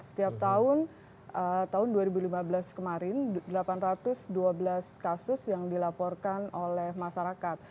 setiap tahun tahun dua ribu lima belas kemarin delapan ratus dua belas kasus yang dilaporkan oleh masyarakat